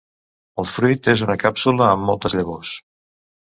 El fruit és una càpsula amb moltes llavors.